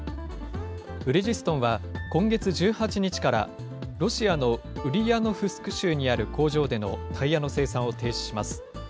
ブリヂストンは、今月１８日からロシアのウリヤノフスク州にある工場でのタイヤの生産を停止します。